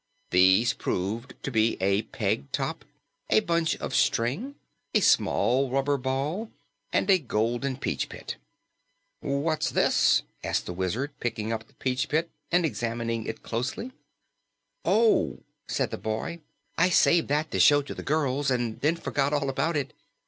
These proved to be a peg top, a bunch of string, a small rubber ball and a golden peach pit. "What's this?" asked the Wizard, picking up the peach pit and examining it closely. "Oh," said the boy, "I saved that to show to the girls, and then forgot all about it.